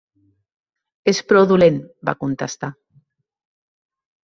"És prou dolent", va contestar.